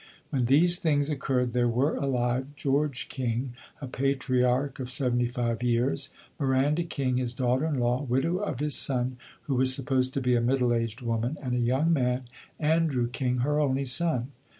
When these things occurred there were alive George King, a patriarch of seventy five years, Miranda King, his daughter in law, widow of his son, who was supposed to be a middle aged woman, and a young man, Andrew King, her only son.